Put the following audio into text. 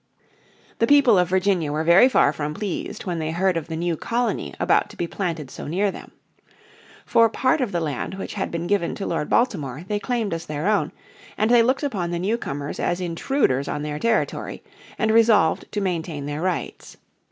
The people of Virginia were very far from pleased when they heard of the new colony about to be planted so near them. For part of the land which had been given to Lord Baltimore they claimed as their own, and they looked upon the newcomers as intruders on their territory and resolved to maintain their rights.